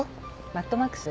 『マッドマックス』。